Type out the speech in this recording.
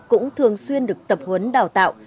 cũng thường xuyên được tập huấn đào tạo